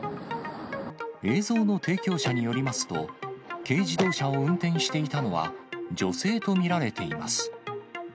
映像の提供者によりますと、軽自動車を運転していたのは、女性と見られています。